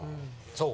そう？